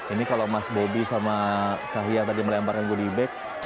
ini kalau mas bobi sama kahya tadi melemparkan gunibek